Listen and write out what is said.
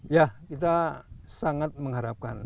ya kita sangat mengharapkan